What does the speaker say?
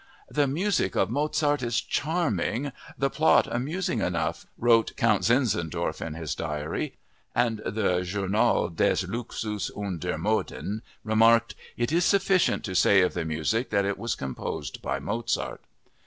"The music of Mozart is charming, the plot amusing enough," wrote Count Zinzendorf in his diary; and the Journal des Luxus und der Moden remarked: "It is sufficient to say of the music that it was composed by Mozart!"